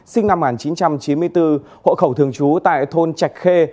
sinh năm một nghìn chín trăm chín mươi bốn hộ khẩu thường trú tại thôn trạch khê